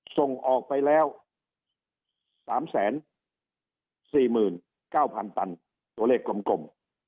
ส่งออกไปแล้วสามแสนสี่หมื่นเก้าพันตันตัวเลขกลมกลม